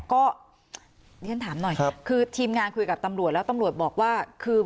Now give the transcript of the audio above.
ก็เรียนถามหน่อยคือทีมงานคุยกับตำรวจแล้วตำรวจบอกว่าคือ